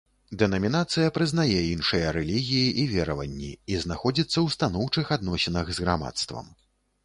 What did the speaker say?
Дэнамінацыя прызнае іншыя рэлігіі і вераванні і знаходзіцца ў станоўчых адносінах з грамадствам.